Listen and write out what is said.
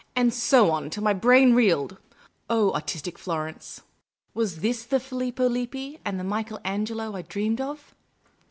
And so on till my brain reeled. Oh, artistic Florence! was this the Filippo Lippi, the Michael Angelo I dreamed of?